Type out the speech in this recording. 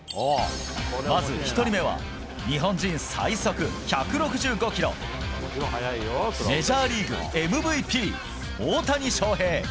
まず１人目は日本人最速１６５キロメジャーリーグＭＶＰ、大谷翔平。